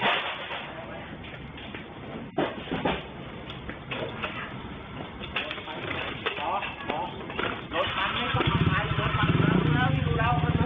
เฮ้ย